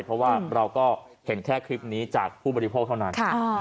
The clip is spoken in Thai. เพราะว่าเราก็เห็นแค่คลิปนี้จากผู้บริโภคเท่านั้น